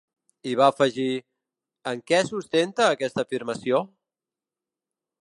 I va afegir: En què sustenta aquesta afirmació?